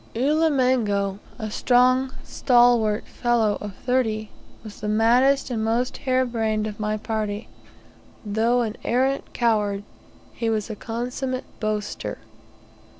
Ulimengo, a strong stalwart fellow of thirty, was the maddest and most hare brained of my party. Though an arrant coward, he was a consummate boaster.